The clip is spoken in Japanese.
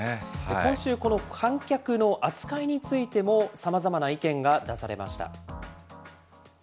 今週、この観客の扱いについても、さまざまな意見が出されました。